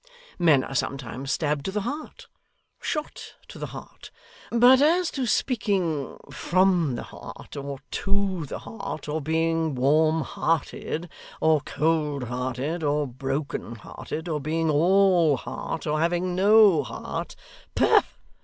Men are sometimes stabbed to the heart, shot to the heart; but as to speaking from the heart, or to the heart, or being warm hearted, or cold hearted, or broken hearted, or being all heart, or having no heart pah!